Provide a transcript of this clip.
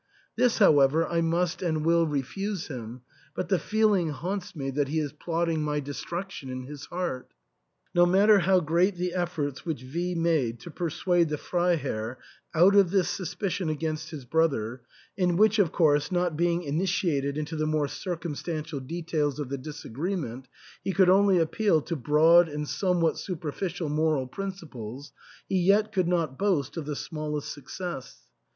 This, however, I must and will refuse him, but the feeling haunts me that he is plotting my destruction in his heart." No matter how great the efforts which V made to persuade the Freiherr out of this suspicion against his brother, in which, of course, not being initiated into the more circumstantial details of the disagreement, he could only appeal to broad and somewhat super ficial moral principles, he yet could not boast of the smallest success.